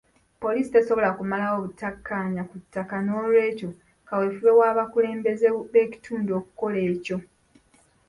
Poliisi tesobola kumalawo butakkaanya ku ttaka n'olwekyo kaweefube w'abakulembeze b'ekitundu okukola ekyo.